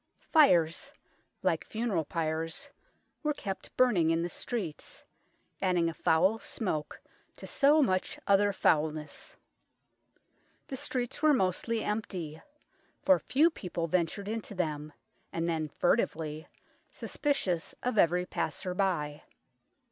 Fires, like funeral pyres, were kept burning in the streets, adding a foul smoke to so much other foulness. The streets were mostly empty, for few people ventured into them, and then furtively, suspicious of every passer by.